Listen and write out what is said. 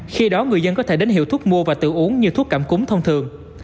khi đó người dân có thể đến hiệu thuốc mua và tự uống như thuốc cảm cúm thông thường